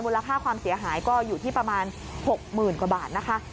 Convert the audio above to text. ลค่าความเสียหายก็อยู่ที่ประมาณ๖๐๐๐กว่าบาทนะคะ